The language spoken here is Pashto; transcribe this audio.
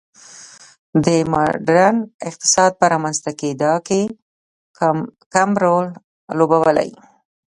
دې د ماډرن اقتصاد په رامنځته کېدا کې کم رول لوبولی.